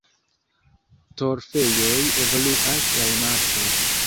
Torfejoj evoluas el marĉoj.